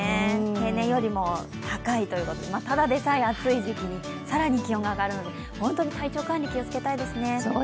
平年よりも高いということでただでさえ暑い時期に更に気温が上がるので本当に体調管理、気をつけたいですね。